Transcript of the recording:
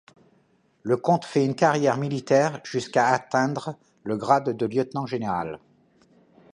Le comte fait une carrière militaire, jusqu'à atteindre le grade de lieutenant-général.